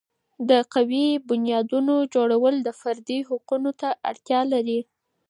د قوي بنیادونو جوړول د فردي حقوقو ته اړتیا لري.